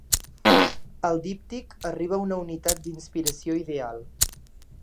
El díptic arriba a una unitat d'inspiració ideal.